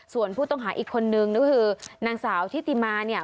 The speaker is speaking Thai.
ส่วนผู้ต้องหาอีกคนนึงก็คือนางสาวทิติมาเนี่ย